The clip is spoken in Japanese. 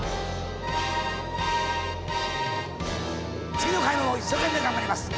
次の回も一生懸命頑張ります。